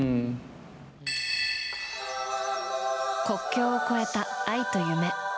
国境を越えた愛と夢。